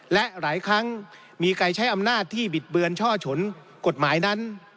และหลายครั้งมีใครใช้อำนาจที่บิดเบือนช่อฉนกฎหมายนั้น